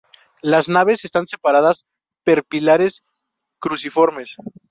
Las naves están separadas per pilares cruciformes.